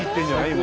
今！